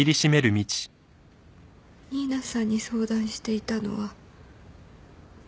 新名さんに相談していたのは。